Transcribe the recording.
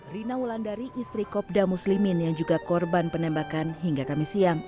rina wulandari istri kopda muslimin yang juga korban penembakan hingga kamis siang